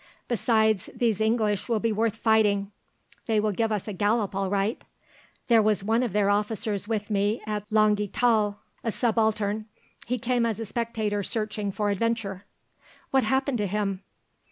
Besides, these English will be worth fighting; they will give us a gallop all right. There was one of their officers with me at Langi Tal, a subaltern; he came as a spectator searching for adventure." "What happened to him?"